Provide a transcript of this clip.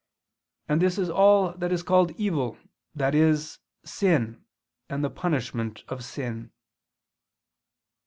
And this is all that is called evil, i.e. sin, and the punishment of sin."